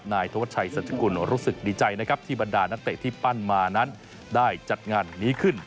นายธวัชชัยสัจกุลรู้สึกดีใจนะครับที่บรรดานักเตะที่ปั้นมานั้นได้จัดงานนี้ขึ้น